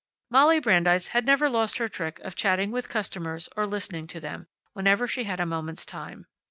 Molly Brandeis had never lost her trick of chatting with customers, or listening to them, whenever she had a moment's time.